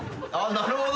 なるほど。